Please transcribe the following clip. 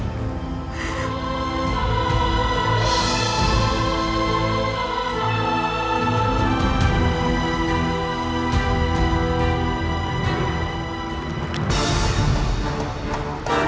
sampai jumpa kamu